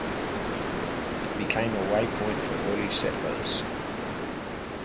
It became a waypoint for early settlers.